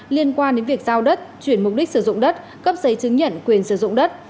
liên quan đến việc giao đất chuyển mục đích sử dụng đất cấp giấy chứng nhận quyền sử dụng đất